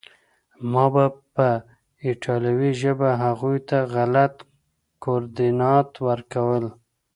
ما به په ایټالوي ژبه هغوی ته غلط کوردینات ورکول